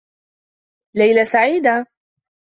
ليلة سعيدة!